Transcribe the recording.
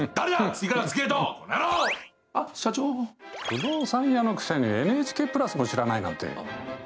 不動産屋のくせにＮＨＫプラスも知らないなんて。